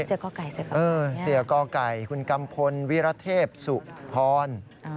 เสียก้อกไก่เสียก้อกไก่คุณกัมพลวิรเทพสุพร